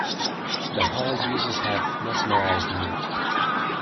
The whole business had mesmerised me.